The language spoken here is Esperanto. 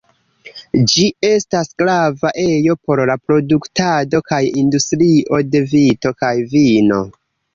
Ĝi estas grava ejo por la produktado kaj industrio de vito kaj vino.